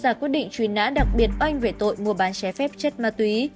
c bốn ra quyết định truyền nã đặc biệt oanh về tội mua bán trái phép chất ma túy